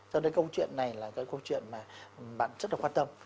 cho nên câu chuyện này là cái câu chuyện mà bạn rất là quan tâm